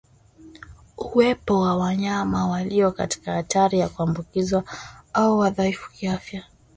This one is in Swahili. Uwepo wa wanyama walio katika hatari ya kuambukizwa au wadhaifu kiafya